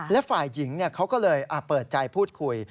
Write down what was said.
และฝ่ายหญิงเขาก็เลยเปิดใจพูดคุย